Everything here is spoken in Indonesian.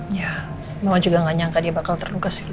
iya mama juga gak nyangka dia bakal terluka sih